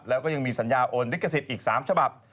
แล้วก็ยังมีสัญญาโอนลิขสิทธิ์อีก๓ฉบับ